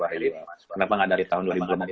kenapa gak dari tahun dua ribu delapan belas